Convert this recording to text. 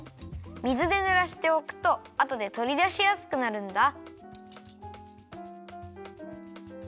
水でぬらしておくとあとでとりだしやすくなるんだ。